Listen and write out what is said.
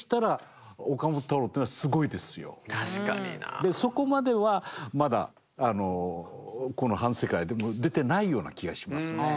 でそこまではまだこの「反世界」でも出てないような気がしますね。